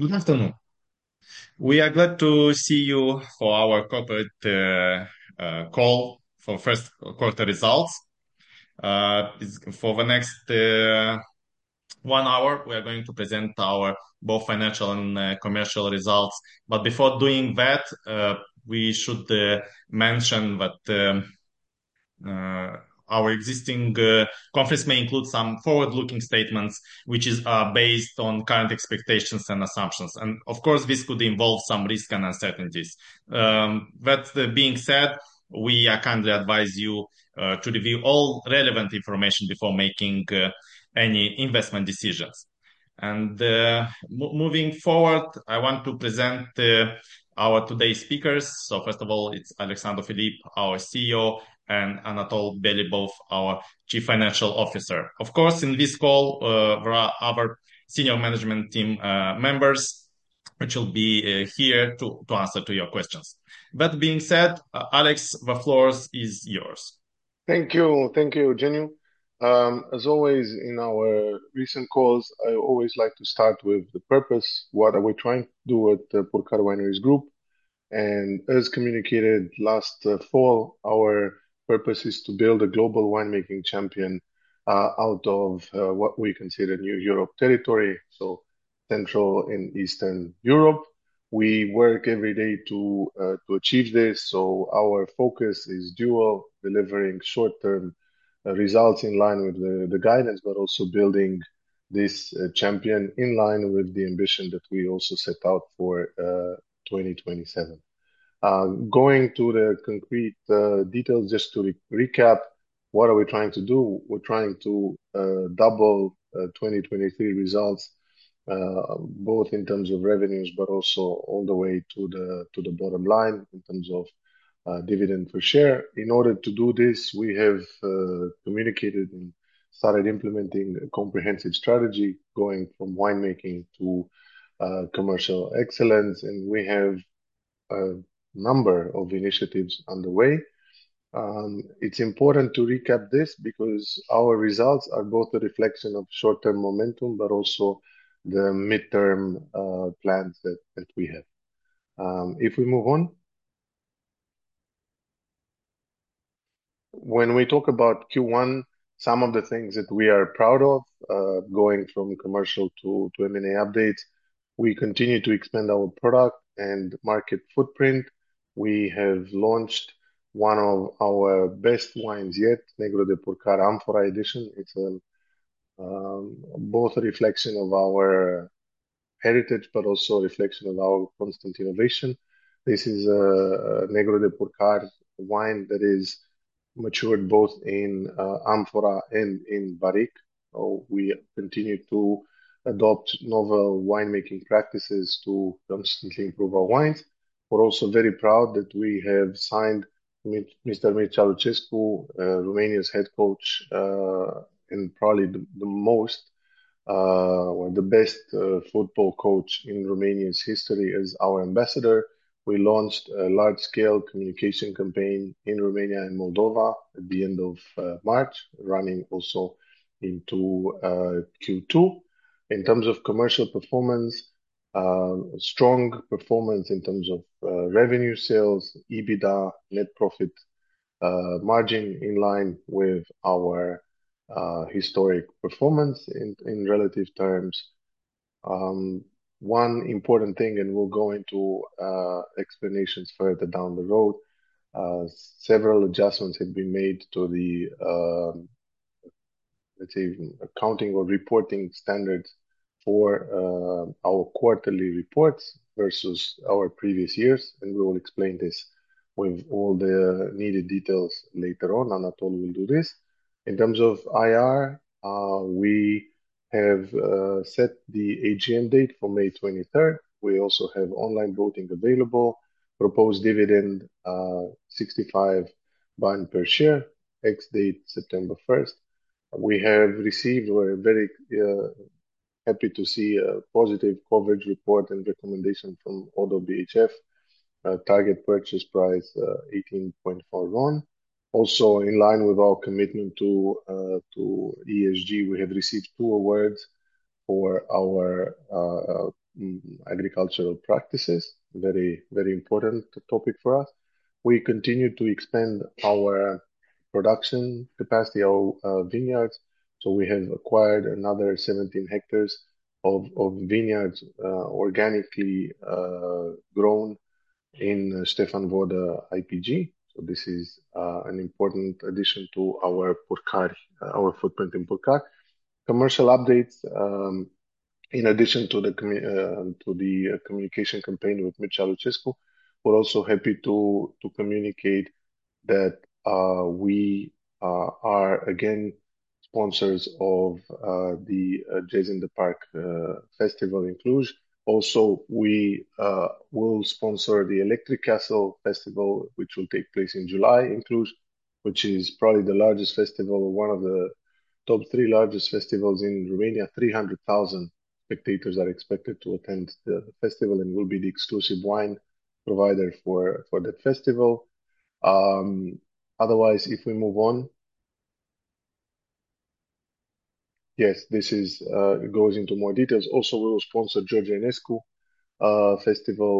Good afternoon. We are glad to see you for our corporate call for first-quarter results. For the next one hour, we are going to present our both financial and commercial results. Before doing that, we should mention that our existing conference may include some forward-looking statements, which are based on current expectations and assumptions. Of course, this could involve some risk and uncertainties. That being said, we kindly advise you to review all relevant information before making any investment decisions. Moving forward, I want to present our today's speakers. First of all, it's Alexandru Filip, our CEO, and Anatol Belibov, our Chief Financial Officer. Of course, in this call, there are other senior management team members who will be here to answer your questions. That being said, Alex, the floor is yours. Thank you. Thank you, Eugeniu. As always, in our recent calls, I always like to start with the purpose: what are we trying to do at Purcari Wineries Group? As communicated last fall, our purpose is to build a global winemaking champion out of what we consider New Europe territory, so Central and Eastern Europe. We work every day to achieve this. Our focus is dual: delivering short-term results in line with the guidance, but also building this champion in line with the ambition that we also set out for 2027. Going to the concrete details, just to recap, what are we trying to do? We are trying to double 2023 results, both in terms of revenues, but also all the way to the bottom line in terms of dividend per share. In order to do this, we have communicated and started implementing a comprehensive strategy going from winemaking to commercial excellence. We have a number of initiatives underway. It is important to recap this because our results are both a reflection of short-term momentum, but also the midterm plans that we have. If we move on. When we talk about Q1, some of the things that we are proud of, going from commercial to M&A updates, we continue to expand our product and market footprint. We have launched one of our best wines yet, Negru de Purcari Amphora Edition. It is both a reflection of our heritage, but also a reflection of our constant innovation. This is a Negru de Purcari wine that is matured both in amphora and in barrique. We continue to adopt novel winemaking practices to constantly improve our wines. We are also very proud that we have signed Mr. Mircea Lucescu, Romania's head coach, and probably the most or the best football coach in Romania's history as our ambassador. We launched a large-scale communication campaign in Romania and Moldova at the end of March, running also into Q2. In terms of commercial performance, strong performance in terms of revenue sales, EBITDA, net profit margin in line with our historic performance in relative terms. One important thing, and we will go into explanations further down the road, several adjustments have been made to the, let's say, accounting or reporting standards for our quarterly reports versus our previous years. We will explain this with all the needed details later on. Anatol will do this. In terms of IR, we have set the AGM date for May 23rd. We also have online voting available. Proposed dividend, RON 0.65 per share, ex-date September 1st. We have received, we're very happy to see a positive coverage report and recommendation from Auto BHF. Target purchase price, RON 18.41. Also, in line with our commitment to ESG, we have received two awards for our agricultural practices. Very, very important topic for us. We continue to expand our production capacity, our vineyards. We have acquired another 17 hectares of vineyards organically grown in Stefan Vodă IPG. This is an important addition to our footprint in Purcari. Commercial updates, in addition to the communication campaign with Mircea Lucescu, we're also happy to communicate that we are again sponsors of the Jazz in the Park Festival in Cluj. Also, we will sponsor the Electric Castle Festival, which will take place in July in Cluj, which is probably the largest festival, one of the top three largest festivals in Romania. 300,000 spectators are expected to attend the festival and will be the exclusive wine provider for that festival. Otherwise, if we move on. Yes, this goes into more details. Also, we will sponsor George Enescu Festival,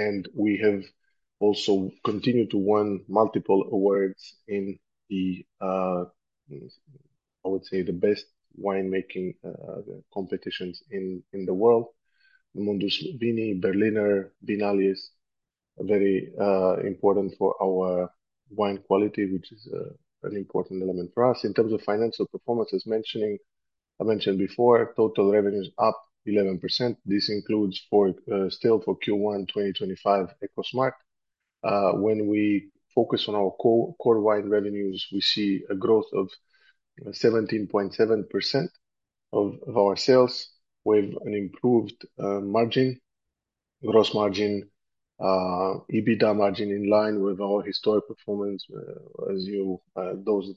and we have also continued to win multiple awards in the, I would say, the best winemaking competitions in the world: Mundus Vini, Berliner, Vinalies. Very important for our wine quality, which is an important element for us. In terms of financial performance, as mentioned, I mentioned before, total revenues up 11%. This includes still for Q1 2025 EcoSmart. When we focus on our core wine revenues, we see a growth of 17.7% of our sales. We have an improved margin, gross margin, EBITDA margin in line with our historic performance. As those who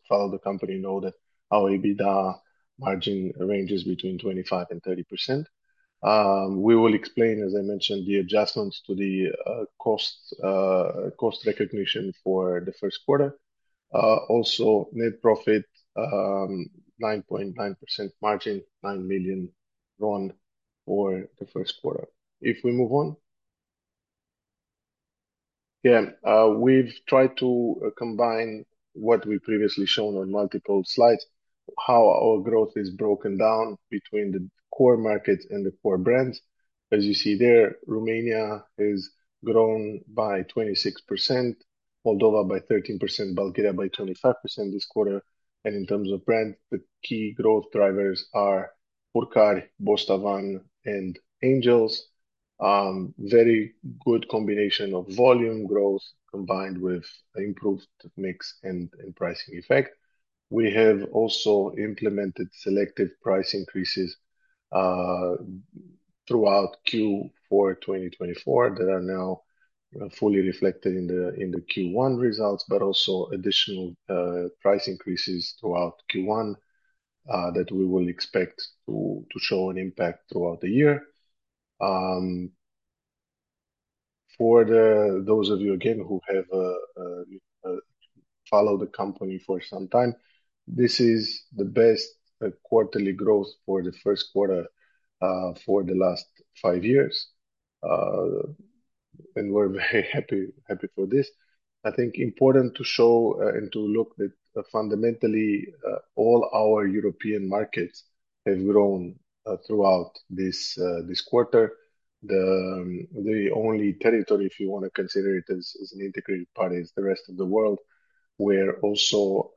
follow the company know that our EBITDA margin ranges between 25% and 30%. We will explain, as I mentioned, the adjustments to the cost recognition for the first quarter. Also, net profit, 9.9% margin, RON 9 million for the first quarter. If we move on. Yeah, we've tried to combine what we previously shown on multiple slides, how our growth is broken down between the core markets and the core brands. As you see there, Romania has grown by 26%, Moldova by 13%, Bulgaria by 25% this quarter. In terms of brands, the key growth drivers are Purcari, Bostan, and Angels. Very good combination of volume growth combined with improved mix and pricing effect. We have also implemented selective price increases throughout Q4 2024 that are now fully reflected in the Q1 results, but also additional price increases throughout Q1 that we will expect to show an impact throughout the year. For those of you, again, who have followed the company for some time, this is the best quarterly growth for the first quarter for the last five years. We're very happy for this. I think important to show and to look that fundamentally all our European markets have grown throughout this quarter. The only territory, if you want to consider it as an integrated party, is the rest of the world, where also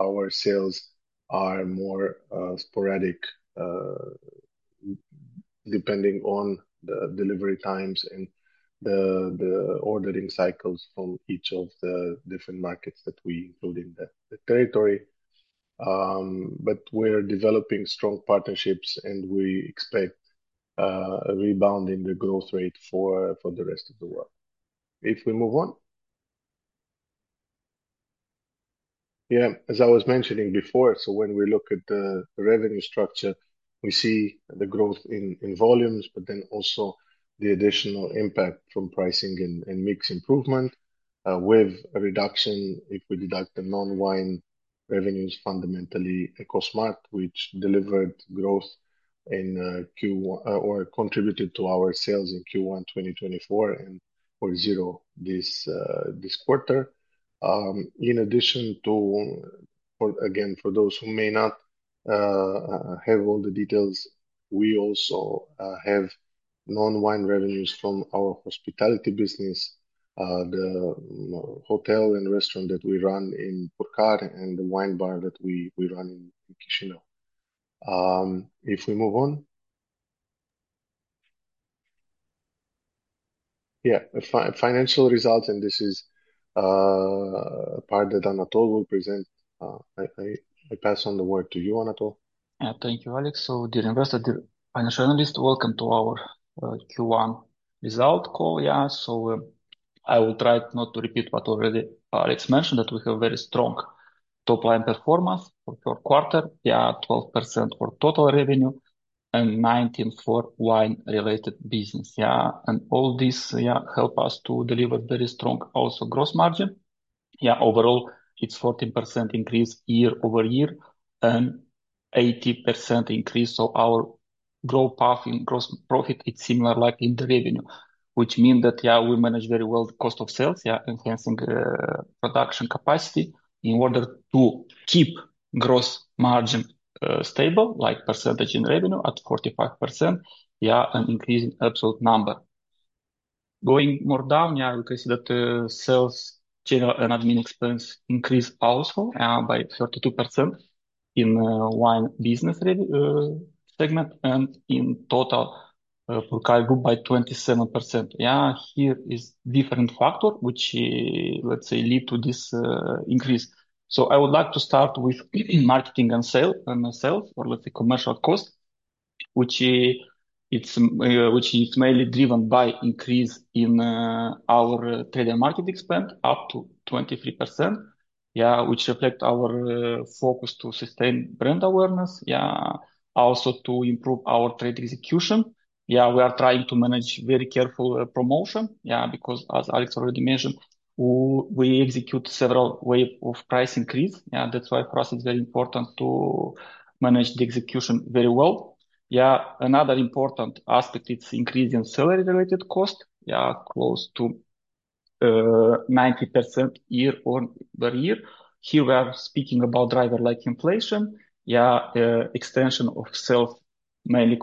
our sales are more sporadic depending on the delivery times and the ordering cycles from each of the different markets that we include in the territory. We're developing strong partnerships, and we expect a rebound in the growth rate for the rest of the world. If we move on. Yeah, as I was mentioning before, so when we look at the revenue structure, we see the growth in volumes, but then also the additional impact from pricing and mix improvement with a reduction if we deduct the non-wine revenues, fundamentally EcoSmart, which delivered growth in Q1 or contributed to our sales in Q1 2024 and are zero this quarter. In addition to, again, for those who may not have all the details, we also have non-wine revenues from our hospitality business, the hotel and restaurant that we run in Purcari, and the wine bar that we run in Chișinău. If we move on. Yeah, financial results, and this is a part that Anatol will present. I pass on the word to you, Anatol. Thank you, Alex. So dear investor, the financial analyst, welcome to our Q1 result call. Yeah, I will try not to repeat what already Alex mentioned, that we have very strong top-line performance for quarter, yeah, 12% for total revenue and 19% for wine-related business. Yeah, and all this helps us to deliver very strong also gross margin. Yeah, overall, it's 14% increase year over year and 80% increase. Our growth path in gross profit, it's similar like in the revenue, which means that, yeah, we manage very well the cost of sales, yeah, enhancing production capacity in order to keep gross margin stable, like percentage in revenue at 45%, yeah, an increasing absolute number. Going more down, yeah, we can see that sales channel and admin expense increase also by 32% in wine business segment and in total Purcari Group by 27%. Yeah, here is different factor, which, let's say, lead to this increase. I would like to start with marketing and sales or, let's say, commercial cost, which is mainly driven by increase in our trading market expense up to 23%, yeah, which reflects our focus to sustain brand awareness, yeah, also to improve our trade execution. Yeah, we are trying to manage very careful promotion, yeah, because, as Alex already mentioned, we execute several ways of price increase. Yeah, that's why for us it's very important to manage the execution very well. Yeah, another important aspect, it's increasing salary-related cost, yeah, close to 90% year over year. Here we are speaking about driver-like inflation, yeah, extension of sales mainly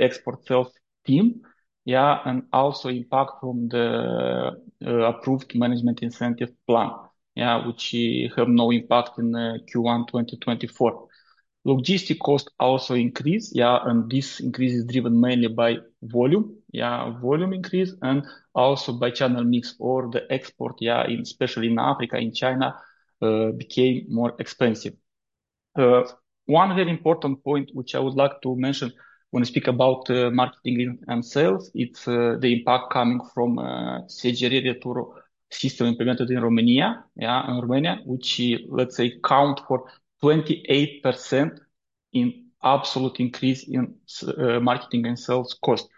export sales team, yeah, and also impact from the approved management incentive plan, yeah, which have no impact in Q1 2024. Logistic cost also increased, yeah, and this increase is driven mainly by volume, yeah, volume increase, and also by channel mix or the export, yeah, especially in Africa, in China, became more expensive. One very important point, which I would like to mention when I speak about marketing and sales, it's the impact coming from SGR retur system implemented in Romania, yeah, in Romania, which, let's say, accounts for 28% in absolute increase in marketing and sales cost.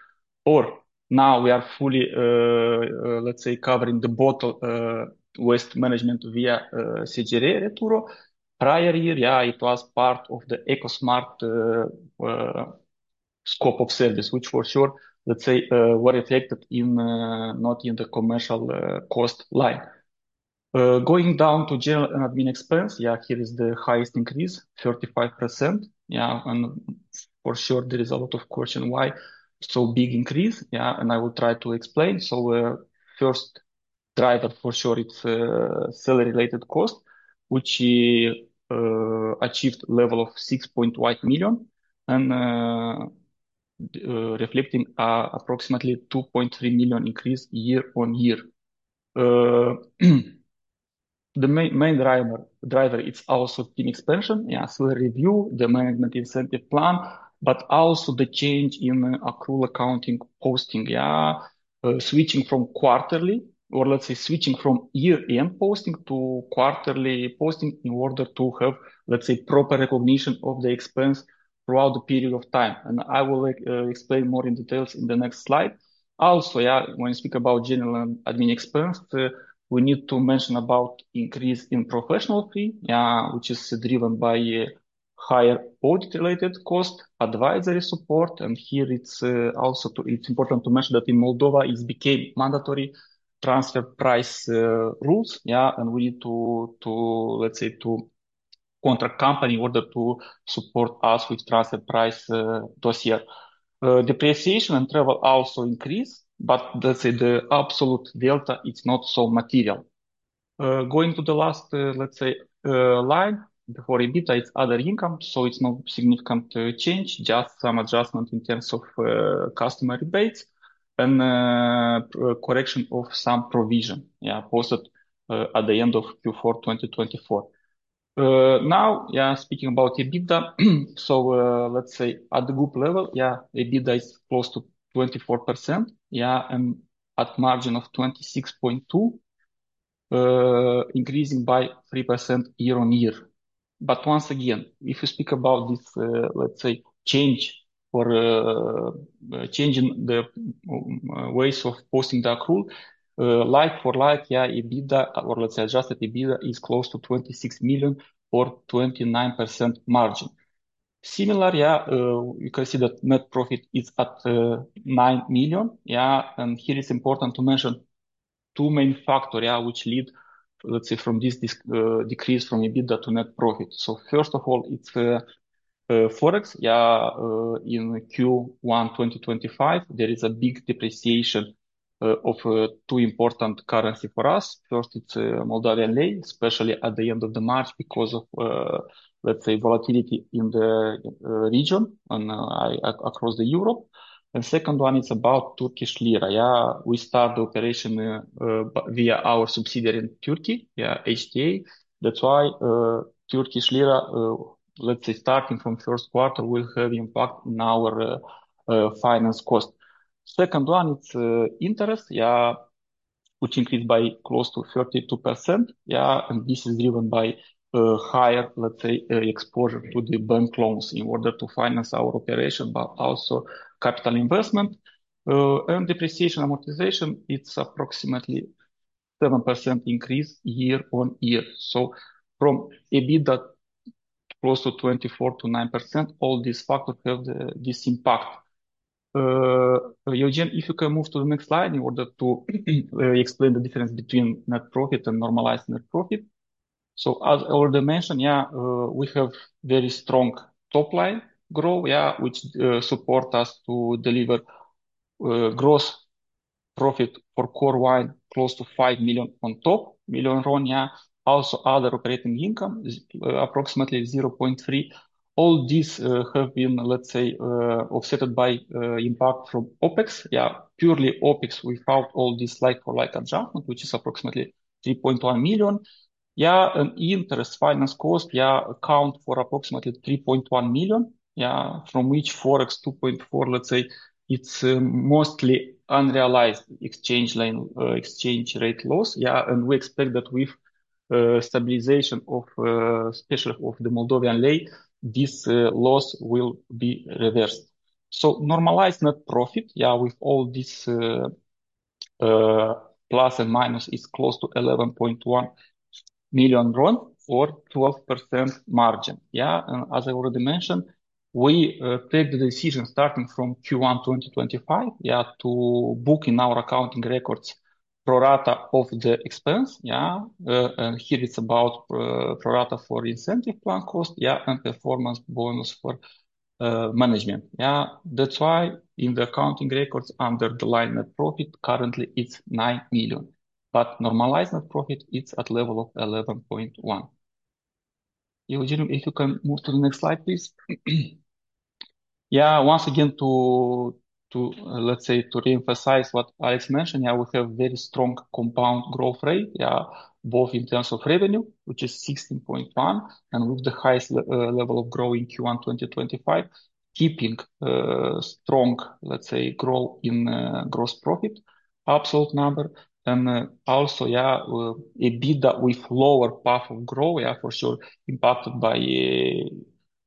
Or now we are fully, let's say, covering the bottle waste management via SGR retru. Prior year, yeah, it was part of the EcoSmart scope of service, which for sure, let's say, were affected not in the commercial cost line. Going down to general and admin expense, yeah, here is the highest increase, 35%, yeah, and for sure there is a lot of question why so big increase, yeah, and I will try to explain. First driver, for sure, it's salary-related cost, which achieved level of RON 6.1 million and reflecting approximately RON 2.3 million increase year on year. The main driver, it's also team expansion, yeah, salary review, the management incentive plan, but also the change in accrual accounting posting, yeah, switching from quarterly or, let's say, switching from year-end posting to quarterly posting in order to have, let's say, proper recognition of the expense throughout the period of time. I will explain more in details in the next slide. Also, yeah, when we speak about general and admin expense, we need to mention about increase in professional fee, yeah, which is driven by higher audit-related cost, advisory support, and here it's also important to mention that in Moldova, it became mandatory transfer price rules, yeah, and we need to, let's say, to contract company in order to support us with transfer price this year. Depreciation and travel also increase, but let's say the absolute delta, it's not so material. Going to the last, let's say, line before EBITDA, it's other income, so it's no significant change, just some adjustment in terms of customer rebates and correction of some provision, yeah, posted at the end of Q4 2024. Now, yeah, speaking about EBITDA, so let's say at the group level, yeah, EBITDA is close to 24%, yeah, and at margin of 26.2%, increasing by 3% year on year. But once again, if you speak about this, let's say, change or changing the ways of posting the accrual, like for like, yeah, EBITDA or let's say adjusted EBITDA is close to 26 million or 29% margin. Similar, yeah, you can see that net profit is at 9 million, yeah, and here it's important to mention two main factors, yeah, which lead, let's say, from this decrease from EBITDA to net profit. First of all, it's Forex, yeah, in Q1 2025, there is a big depreciation of two important currencies for us. First, it's Moldovan Leu, especially at the end of March because of, let's say, volatility in the region and across Europe. Second one, it's about Turkish Lira, yeah. We start the operation via our subsidiary in Türkiye, yeah, HTA. That's why Turkish Lira, let's say, starting from first quarter, will have impact on our finance cost. Second one, it's interest, yeah, which increased by close to 32%, yeah, and this is driven by higher, let's say, exposure to the bank loans in order to finance our operation, but also capital investment and depreciation amortization. It's approximately 7% increase year on year. From EBITDA close to 24-29%, all these factors have this impact. Eugeniu, if you can move to the next slide in order to explain the difference between net profit and normalized net profit. As I already mentioned, yeah, we have very strong top-line growth, yeah, which supports us to deliver gross profit for core wine close to RON 5 million on top, million RON, yeah. Also other operating income is approximately RON 0.3 million. All these have been, let's say, offset by impact from OpEx, yeah, purely OpEx without all this like-for-like adjustment, which is approximately RON 3.1 million, yeah. Interest finance cost, yeah, accounts for approximately RON 3.1 million, yeah, from which Forex RON 2.4 million, let's say, it's mostly unrealized exchange rate loss, yeah. We expect that with stabilization of, especially of the Moldovan Leu, this loss will be reversed. Normalized net profit, yeah, with all this plus and minus, it's close to RON 11.1 million or 12% margin, yeah. As I already mentioned, we take the decision starting from Q1 2025, yeah, to book in our accounting records prorata of the expense, yeah. Here it's about prorata for incentive plan cost, yeah, and performance bonus for management, yeah. That's why in the accounting records under the line net profit, currently it's RON 9 million, but normalized net profit, it's at level of RON 11.1 million. Eugeniu, if you can move to the next slide, please. Yeah, once again to, let's say, to reemphasize what Alex mentioned, yeah, we have very strong compound growth rate, yeah, both in terms of revenue, which is 16.1%, and with the highest level of growth in Q1 2025, keeping strong, let's say, growth in gross profit, absolute number. Also, yeah, EBITDA with lower path of growth, yeah, for sure, impacted by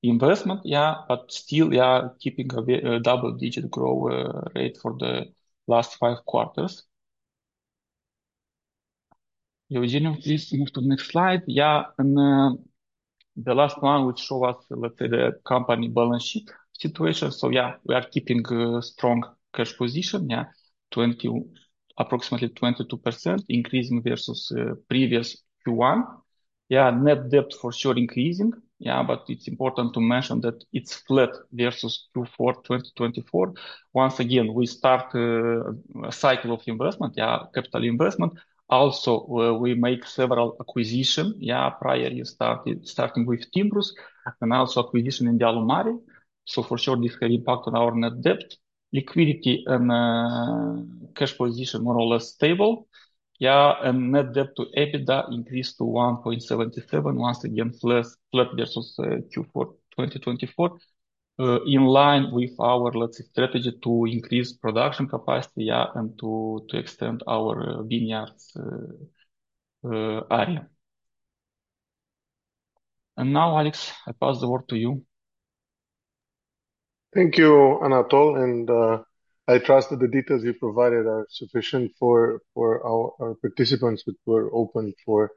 investment, yeah, but still, yeah, keeping a double-digit growth rate for the last five quarters. Eugeniu, please move to the next slide, yeah. The last one would show us, let's say, the company balance sheet situation. So yeah, we are keeping a strong cash position, yeah, approximately 22% increasing versus previous Q1. Yeah, net debt for sure increasing, yeah, but it's important to mention that it's flat versus Q4 2024. Once again, we start a cycle of investment, yeah, capital investment. Also we make several acquisitions, yeah, prior you started starting with Timbrus and also acquisition in the Dealu Mare. For sure this has impacted our net debt, liquidity, and cash position more or less stable, yeah. Net debt to EBITDA increased to 1.77, once again flat versus Q4 2024, in line with our, let's say, strategy to increase production capacity, yeah, and to extend our vineyards area. Now, Alex, I pass the word to you. Thank you, Anatol, and I trust that the details you provided are sufficient for our participants, which were open for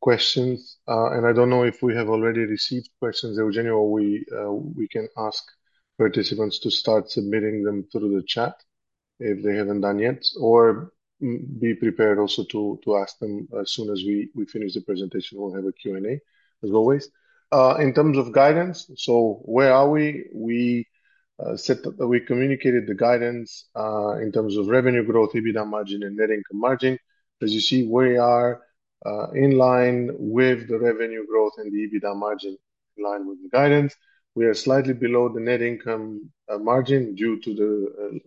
questions. I do not know if we have already received questions, Eugeniu, or we can ask participants to start submitting them through the chat if they have not done yet, or be prepared also to ask them as soon as we finish the presentation. We will have a Q&A as always. In terms of guidance, where are we? We communicated the guidance in terms of revenue growth, EBITDA margin, and net income margin. As you see, we are in line with the revenue growth and the EBITDA margin in line with the guidance. We are slightly below the net income margin due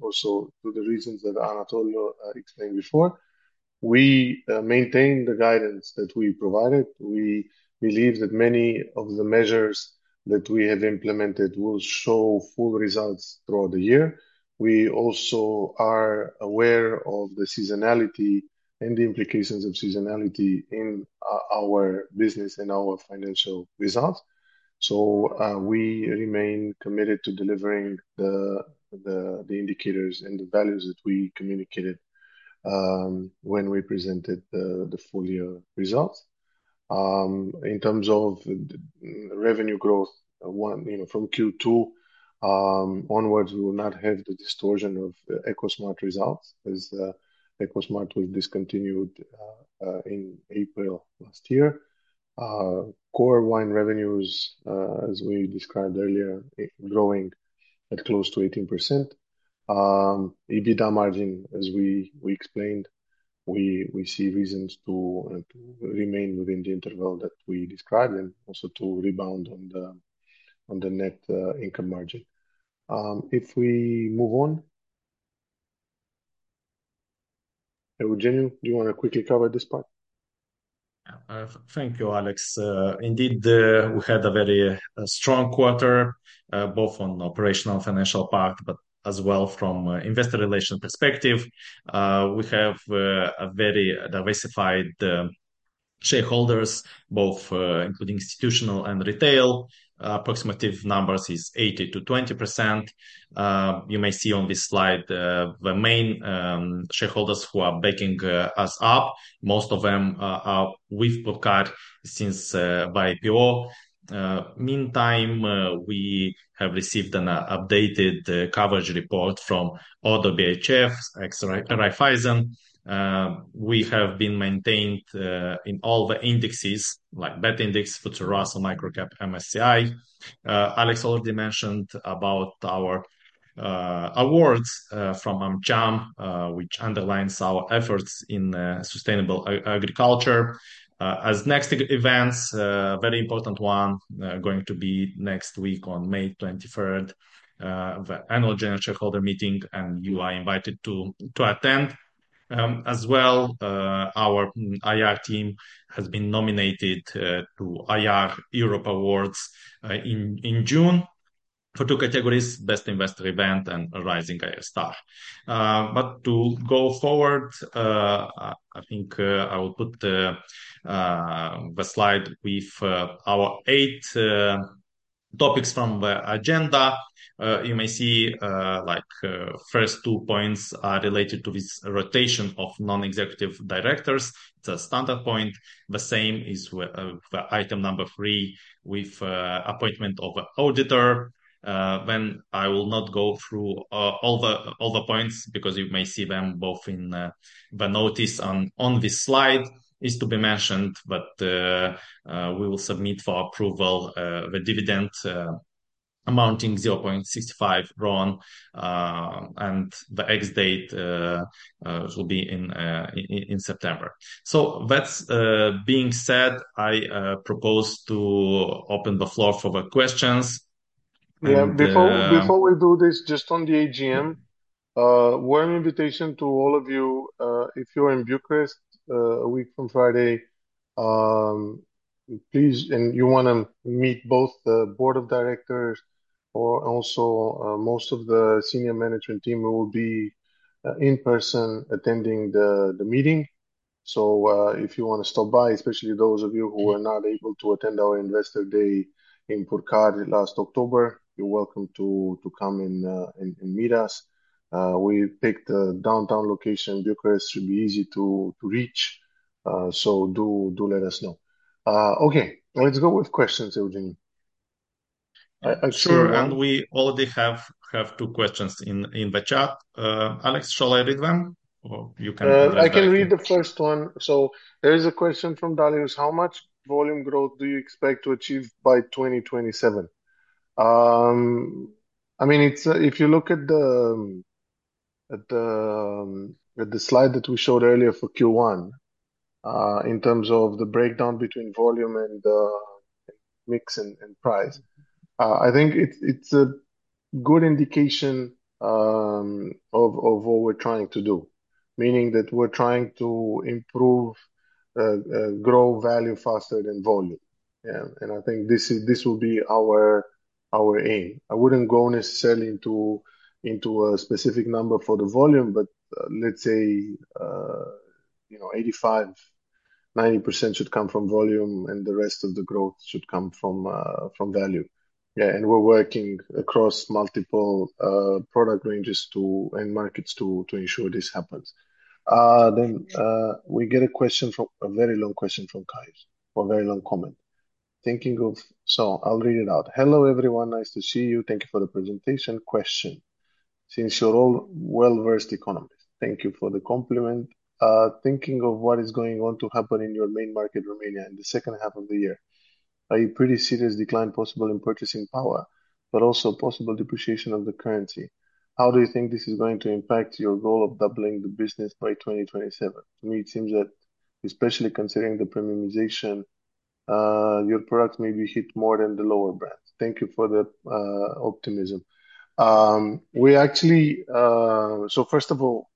also to the reasons that Anatol explained before. We maintain the guidance that we provided. We believe that many of the measures that we have implemented will show full results throughout the year. We also are aware of the seasonality and the implications of seasonality in our business and our financial results. We remain committed to delivering the indicators and the values that we communicated when we presented the full year results. In terms of revenue growth, you know, from Q2 onwards, we will not have the distortion of EcoSmart results as EcoSmart was discontinued in April last year. Core wine revenues, as we described earlier, are growing at close to 18%. EBITDA margin, as we explained, we see reasons to remain within the interval that we described and also to rebound on the net income margin. If we move on, Eugeniu, do you want to quickly cover this part? Thank you, Alex. Indeed, we had a very strong quarter, both on operational financial part, but as well from an investor relation perspective. We have a very diversified shareholders, both including institutional and retail. Approximative numbers is 80 to 20%. You may see on this slide the main shareholders who are backing us up. Most of them are with Purcari since by IPO. Meantime, we have received an updated coverage report from Auto BHF, XRI, Raiffeisen. We have been maintained in all the indexes like BET Index, FTSE Russell Microcap, MSCI. Alex already mentioned about our awards from AMCHAM, which underlines our efforts in sustainable agriculture. As next events, a very important one going to be next week on May 23, the annual general shareholder meeting, and you are invited to attend as well. Our IR team has been nominated to IR Europe Awards in June for two categories: Best Investor Event and Rising IR Star. To go forward, I think I will put the slide with our eight topics from the agenda. You may see like first two points are related to this rotation of non-executive directors. It is a standard point. The same is the item number three with appointment of an auditor. I will not go through all the points because you may see them both in the notice on this slide is to be mentioned, but we will submit for approval the dividend amounting RON 0.65 and the ex-date will be in September. That being said, I propose to open the floor for the questions. Yeah, before we do this, just on the AGM, warm invitation to all of you. If you're in Bucharest a week from Friday, please, and you want to meet both the board of directors or also most of the senior management team, we will be in person attending the meeting. If you want to stop by, especially those of you who are not able to attend our investor day in Purcari last October, you're welcome to come and meet us. We picked a downtown location in Bucharest, it should be easy to reach. Do let us know. Okay, let's go with questions, Eugeniu. Sure, and we already have two questions in the chat. Alex, shall I read them or you can? I can read the first one. There is a question from Dalius: how much volume growth do you expect to achieve by 2027? I mean, if you look at the slide that we showed earlier for Q1 in terms of the breakdown between volume and mix and price, I think it is a good indication of what we are trying to do, meaning that we are trying to improve growth value faster than volume. I think this will be our aim. I would not go necessarily into a specific number for the volume, but let us say, you know, 85-90% should come from volume and the rest of the growth should come from value. Yeah, and we are working across multiple product ranges and markets to ensure this happens. There is a question from a very long question from Kai for a very long comment. Thinking of, I will read it out. Hello everyone, nice to see you. Thank you for the presentation. Question: since you're all well-versed economists, thank you for the compliment. Thinking of what is going on to happen in your main market, Romania, in the second half of the year, a pretty serious decline possible in purchasing power, but also possible depreciation of the currency. How do you think this is going to impact your goal of doubling the business by 2027? To me, it seems that especially considering the premiumization, your products may be hit more than the lower brands. Thank you for the optimism. We actually, so first of all,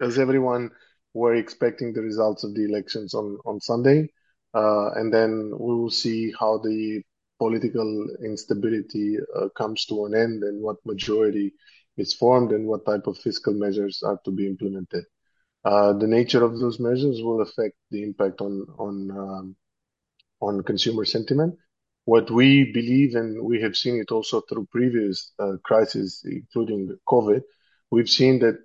as everyone, we're expecting the results of the elections on Sunday, and then we will see how the political instability comes to an end and what majority is formed and what type of fiscal measures are to be implemented. The nature of those measures will affect the impact on consumer sentiment. What we believe, and we have seen it also through previous crises, including COVID, we've seen that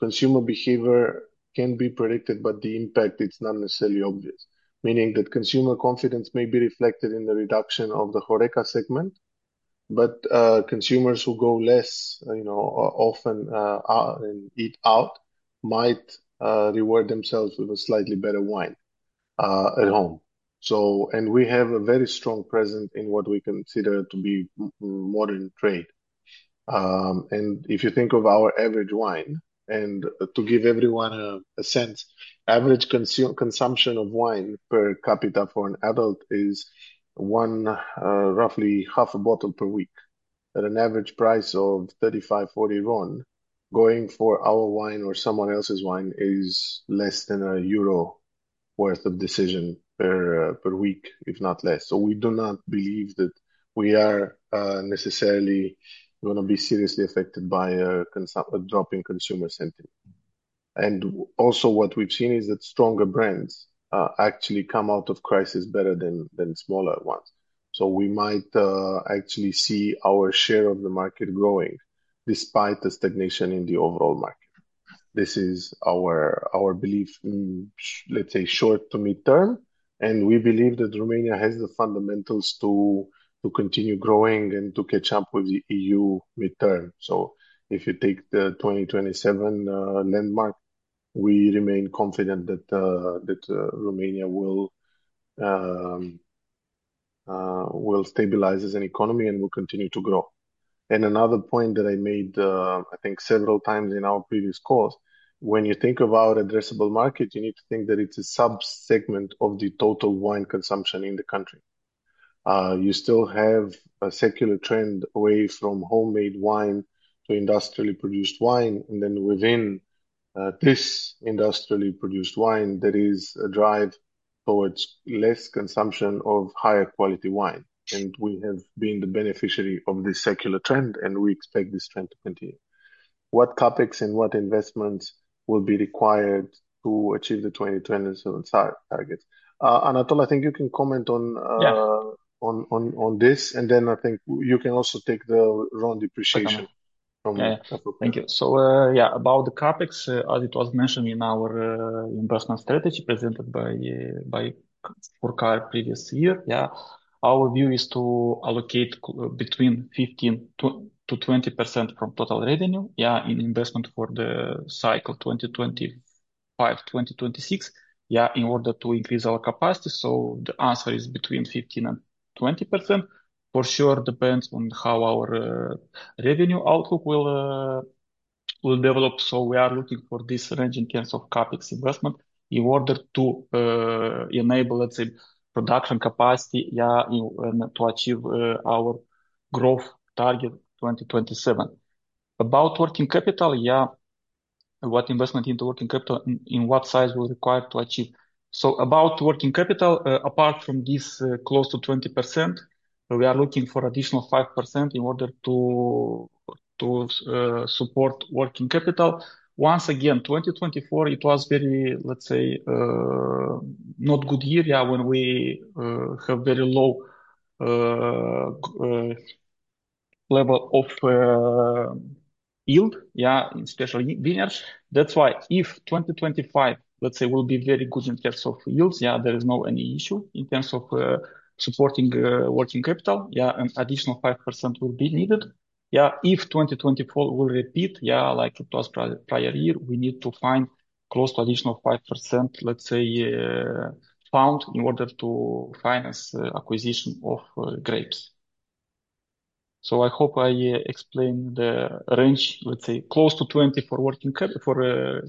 consumer behavior can be predicted, but the impact, it's not necessarily obvious, meaning that consumer confidence may be reflected in the reduction of the Horeca segment, but consumers who go less, you know, often and eat out might reward themselves with a slightly better wine at home. We have a very strong presence in what we consider to be modern trade. If you think of our average wine, and to give everyone a sense, average consumption of wine per capita for an adult is one, roughly half a bottle per week. At an average price of RON 35-40, going for our wine or someone else's wine is less than a euro worth of decision per week, if not less. We do not believe that we are necessarily going to be seriously affected by a drop in consumer sentiment. Also, what we've seen is that stronger brands actually come out of crisis better than smaller ones. We might actually see our share of the market growing despite the stagnation in the overall market. This is our belief, let's say, short to midterm, and we believe that Romania has the fundamentals to continue growing and to catch up with the EU midterm. If you take the 2027 landmark, we remain confident that Romania will stabilize as an economy and will continue to grow. Another point that I made, I think several times in our previous calls, when you think about addressable market, you need to think that it's a subsegment of the total wine consumption in the country. You still have a secular trend away from homemade wine to industrially produced wine, and then within this industrially produced wine, there is a drive towards less consumption of higher quality wine. We have been the beneficiary of this secular trend, and we expect this trend to continue. What CapEx and what investments will be required to achieve the 2027 targets? Anatol, I think you can comment on this, and then I think you can also take the wrong depreciation from. Thank you. So yeah, about the CapEx, as it was mentioned in our investment strategy presented by Purcari previous year, yeah, our view is to allocate between 15%-20% from total revenue, yeah, in investment for the cycle 2025-2026, yeah, in order to increase our capacity. So the answer is between 15%-20%. For sure, it depends on how our revenue outlook will develop. We are looking for this range in terms of CapEx investment in order to enable, let's say, production capacity, yeah, and to achieve our growth target 2027. About working capital, yeah, what investment into working capital, in what size will require to achieve. About working capital, apart from this close to 20%, we are looking for additional 5% in order to support working capital. Once again, 2024, it was very, let's say, not good year, yeah, when we have very low level of yield, yeah, in special vineyards. That's why if 2025, let's say, will be very good in terms of yields, yeah, there is no any issue in terms of supporting working capital, yeah, an additional 5% will be needed. Yeah, if 2024 will repeat, yeah, like it was prior year, we need to find close to additional 5%, let's say, found in order to finance acquisition of grapes. I hope I explained the range, let's say, close to 20 for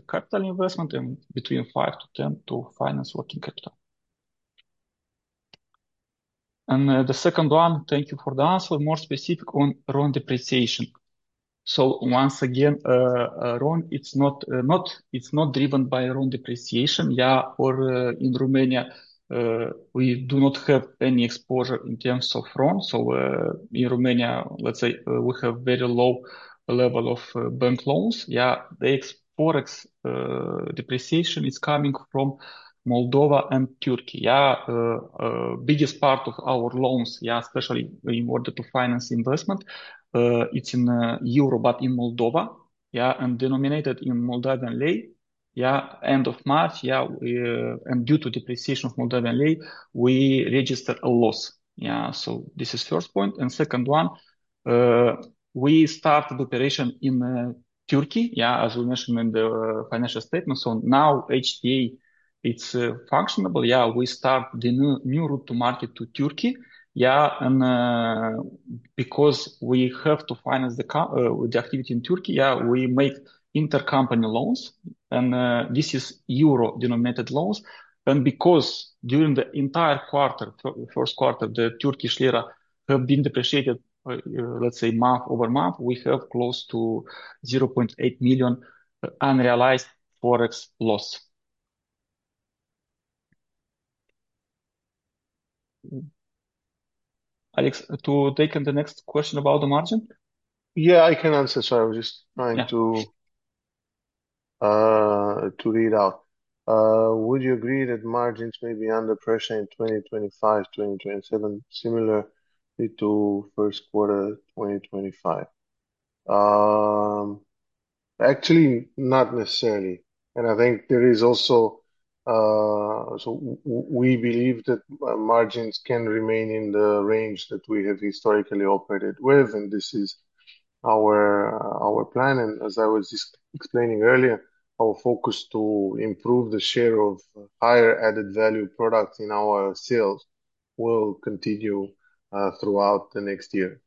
capital investment and between 5-10 to finance working capital. The second one, thank you for the answer, more specific on RON depreciation. Once again, RON, it's not driven by RON depreciation, yeah, or in Romania, we do not have any exposure in terms of RON. In Romania, let's say, we have very low level of bank loans, yeah, the Forex depreciation is coming from Moldova and Türkiye, yeah, biggest part of our loans, yeah, especially in order to finance investment, it's in euro, but in Moldova, yeah, and denominated in Moldovan leu, yeah, end of March, yeah, and due to depreciation of Moldovan leu, we register a loss, yeah. This is first point. Second one, we started operation in Türkiye, yeah, as we mentioned in the financial statement. Now HTA, it's functionable, yeah, we start the new route to market to Türkiye, yeah, and because we have to finance the activity in Türkiye, yeah, we make intercompany loans, and this is euro denominated loans. During the entire first quarter, the Turkish lira has been depreciated, let's say, month over month. We have close to 0.8 million unrealized Forex loss. Alex, to take the next question about the margin? Yeah, I can answer. I was just trying to read out. Would you agree that margins may be under pressure in 2025-2027, similarly to first quarter 2025? Actually, not necessarily. I think there is also, we believe that margins can remain in the range that we have historically operated with, and this is our plan. As I was explaining earlier, our focus to improve the share of higher added value products in our sales will continue throughout the next year.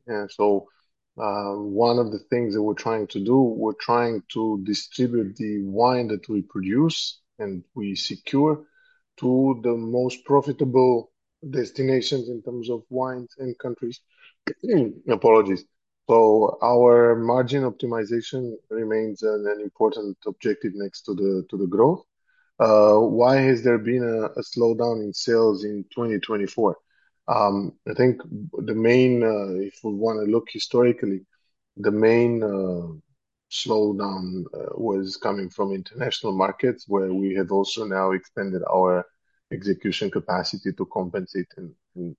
One of the things that we're trying to do, we're trying to distribute the wine that we produce and we secure to the most profitable destinations in terms of wines and countries. Apologies. Our margin optimization remains an important objective next to the growth. Why has there been a slowdown in sales in 2024? I think the main, if we want to look historically, the main slowdown was coming from international markets where we have also now extended our execution capacity to compensate and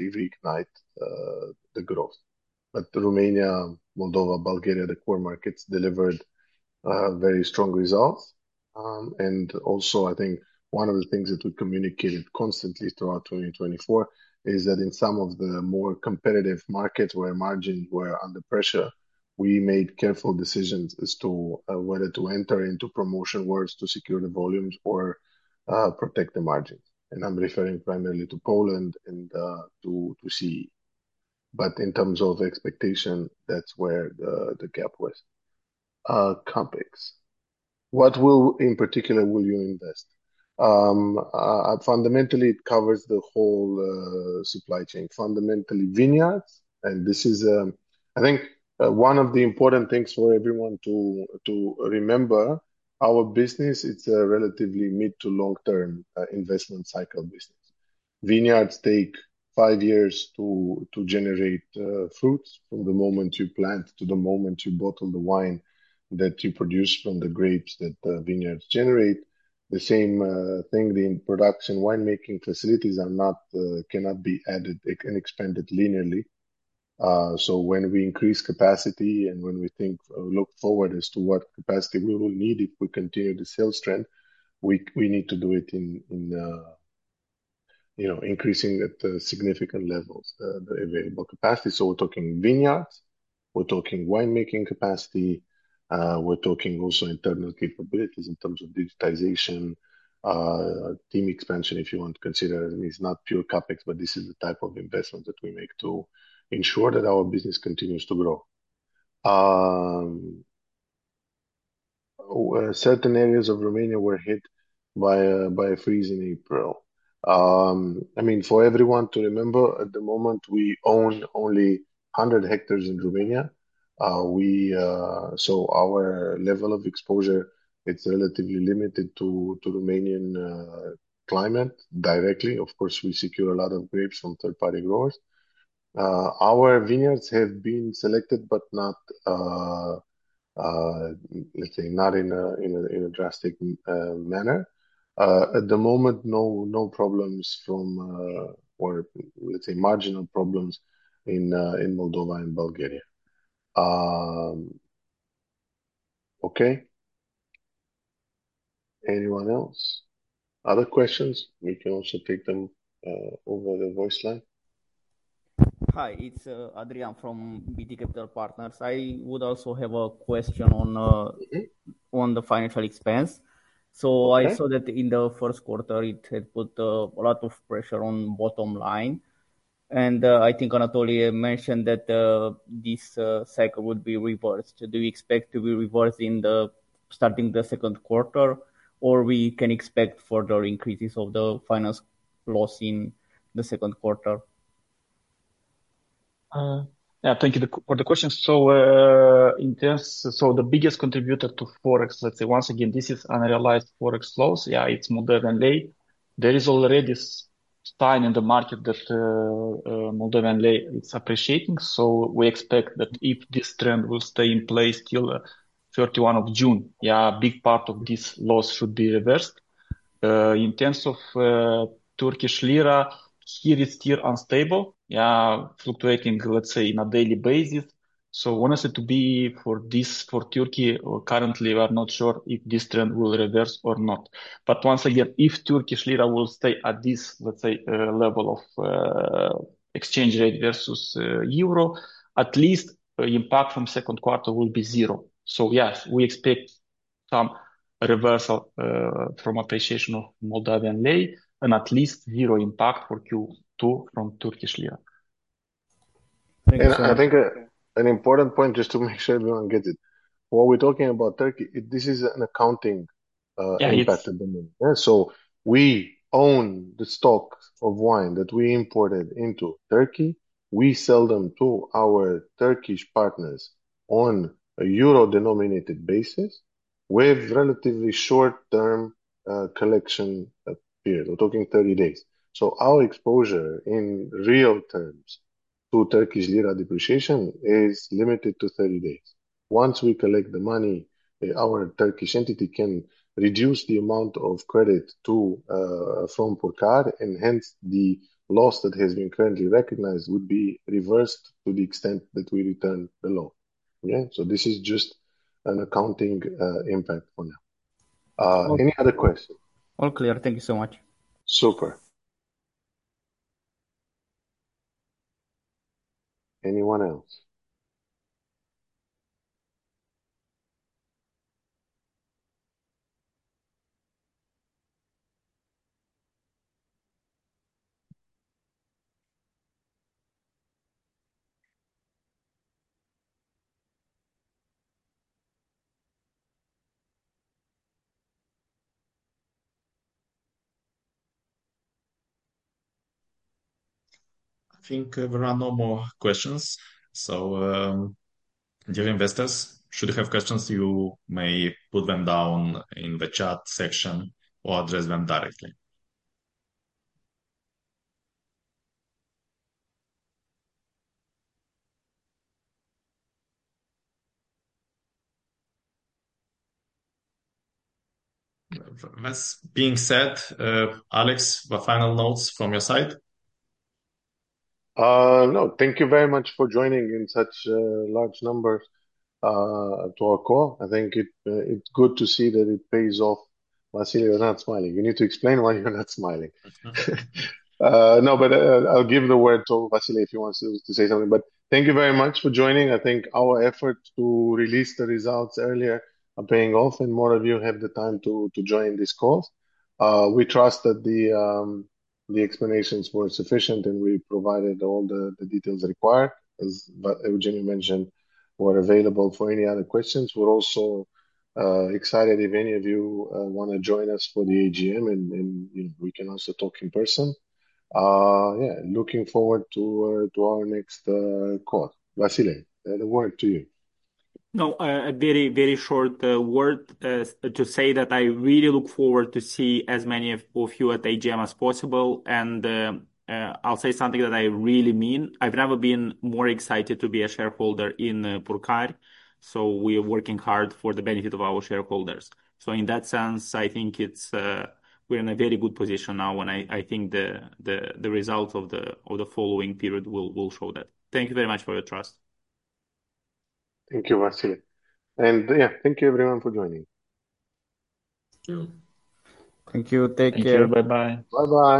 reignite the growth. Romania, Moldova, Bulgaria, the core markets delivered very strong results. I think one of the things that we communicated constantly throughout 2024 is that in some of the more competitive markets where margins were under pressure, we made careful decisions as to whether to enter into promotion wars to secure the volumes or protect the margins. I am referring primarily to Poland and to CE. In terms of expectation, that is where the gap was. CapEx. What will, in particular, will you invest? Fundamentally, it covers the whole supply chain. Fundamentally, vineyards, and this is, I think, one of the important things for everyone to remember, our business, it's a relatively mid to long-term investment cycle business. Vineyards take five years to generate fruits from the moment you plant to the moment you bottle the wine that you produce from the grapes that the vineyards generate. The same thing, the production winemaking facilities cannot be added and expanded linearly. When we increase capacity and when we think, look forward as to what capacity we will need if we continue the sales trend, we need to do it in, you know, increasing at significant levels, the available capacity. We're talking vineyards, we're talking winemaking capacity, we're talking also internal capabilities in terms of digitization, team expansion, if you want to consider, it's not pure CapEx, but this is the type of investment that we make to ensure that our business continues to grow. Certain areas of Romania were hit by a freeze in April. I mean, for everyone to remember, at the moment, we own only 100 hectares in Romania. Our level of exposure, it's relatively limited to Romanian climate directly. Of course, we secure a lot of grapes from third-party growers. Our vineyards have been selected, but not, let's say, not in a drastic manner. At the moment, no problems from, or let's say, marginal problems in Moldova and Bulgaria. Okay. Anyone else? Other questions? We can also take them over the voice line. Hi, it's Adrian from BT Capital Partners. I would also have a question on the financial expense. I saw that in the first quarter, it had put a lot of pressure on bottom line. I think Anatol mentioned that this cycle would be reversed. Do you expect it to be reversed starting the second quarter, or can we expect further increases of the finance loss in the second quarter? Yeah, thank you for the question. In terms, the biggest contributor to Forex, let's say, once again, this is unrealized Forex loss, yeah, it's Moldovan leu. There is already a sign in the market that Moldovan leu is appreciating. We expect that if this trend will stay in place till 31 of June, yeah, a big part of this loss should be reversed. In terms of Turkish lira, here it's still unstable, yeah, fluctuating, let's say, on a daily basis. Honestly, for this, for Türkiye, currently, we are not sure if this trend will reverse or not. Once again, if Turkish lira will stay at this, let's say, level of exchange rate versus euro, at least impact from second quarter will be zero. Yes, we expect some reversal from appreciation of Moldovan leu and at least zero impact for Q2 from Turkish lira. Thank you. I think an important point just to make sure everyone gets it. What we're talking about, Türkiye, this is an accounting impact in the moment. We own the stock of wine that we imported into Türkiye. We sell them to our Turkish partners on a euro denominated basis with relatively short-term collection period. We're talking 30 days. Our exposure in real terms to Turkish lira depreciation is limited to 30 days. Once we collect the money, our Turkish entity can reduce the amount of credit from Purcari, and hence the loss that has been currently recognized would be reversed to the extent that we return the loan. Okay? This is just an accounting impact for now. Any other questions? All clear. Thank you so much. Super. Anyone else? I think there are no more questions. So dear investors, should you have questions, you may put them down in the chat section or address them directly. That being said, Alex, final notes from your side? No, thank you very much for joining in such large numbers to our call. I think it's good to see that it pays off. Vasile, you're not smiling. You need to explain why you're not smiling. No, but I'll give the word to Vasile if he wants to say something. Thank you very much for joining. I think our effort to release the results earlier are paying off, and more of you have the time to join this call. We trust that the explanations were sufficient, and we provided all the details required, as Eugeniu mentioned, were available for any other questions. We're also excited if any of you want to join us for the AGM, and we can also talk in person. Yeah, looking forward to our next call. Vasile, the word to you. No, a very, very short word to say that I really look forward to seeing as many of you at the AGM as possible. I will say something that I really mean. I have never been more excited to be a shareholder in Purcari. We are working hard for the benefit of our shareholders. In that sense, I think we are in a very good position now, and I think the results of the following period will show that. Thank you very much for your trust. Thank you, Vasile. Yeah, thank you, everyone, for joining. Thank you. Thank you. Take care. Bye-bye. Bye-bye.